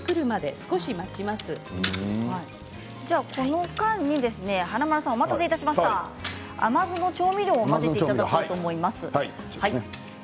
華丸さん、この間に甘酢の調味料を混ぜていただきたいと思います。